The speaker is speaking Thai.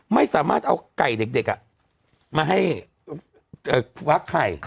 ไม่สามารถเอาไก่เด็กมาให้วักไข่